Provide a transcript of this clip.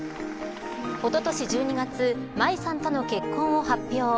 おととし１２月舞さんとの結婚を発表。